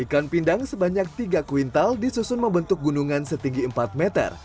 ikan pindang sebanyak tiga kuintal disusun membentuk gunungan setinggi empat meter